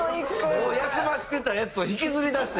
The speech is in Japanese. もう休ませてたやつを引きずり出して。